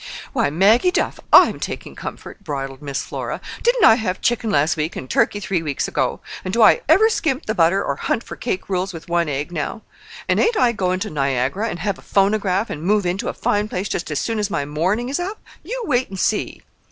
"Why, Maggie Duff, I'M taking comfort," bridled Miss Flora. "Didn't I have chicken last week and turkey three weeks ago? And do I ever skimp the butter or hunt for cake rules with one egg now? And ain't I going to Niagara and have a phonograph and move into a fine place just as soon as my mourning is up? You wait and see!"